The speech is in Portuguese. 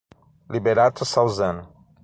Liberato Salzano